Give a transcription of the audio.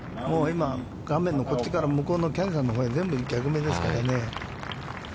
もう今画面のこっちから向こうのキャディーさんのほうに、全部逆目ですからね。